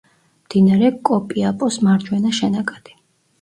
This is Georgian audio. მდინარე კოპიაპოს მარჯვენა შენაკადი.